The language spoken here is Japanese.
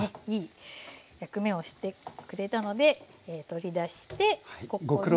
いい役目をしてくれたので取り出してここに。